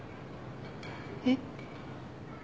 えっ？